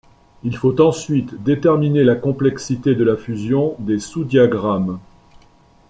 Il faut ensuite déterminer la complexité de la fusion des sous-diagrammes.